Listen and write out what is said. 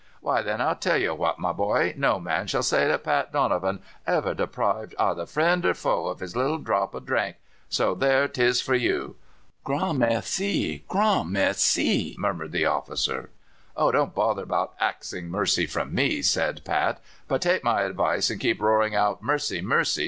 "Why, then, I'll tell you what, my boy: no man shall say that Pat Donovan ever deprived either friend or foe of his little dhrop of dhrink so there 'tis for you!" "Grand merci! grand merci!" murmured the officer. "Oh, don't bother about axing mercy from me," said Pat; "but take my advice and keep roaring out 'Mercy! mercy!